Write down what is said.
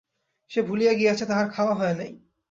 সে ভুলিয়া গিয়াছে যে, তাহার খাওয়া হয় নাই।